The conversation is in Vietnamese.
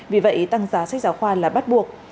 vì vậy tăng giá sách giáo khoa là bắt buộc